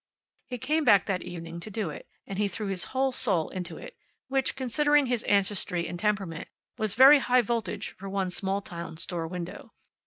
He came back that evening to do it, and he threw his whole soul into it, which, considering his ancestry and temperament, was very high voltage for one small town store window.